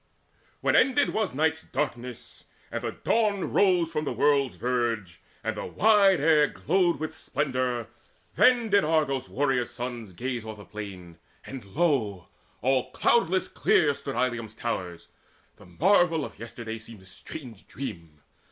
When ended was night's darkness, and the Dawn Rose from the world's verge, and the wide air glowed With splendour, then did Argos' warrior sons Gaze o'er the plain; and lo, all cloudless clear Stood Ilium's towers. The marvel of yesterday Seemed a strange dream.